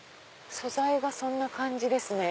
素材がそんな感じですね。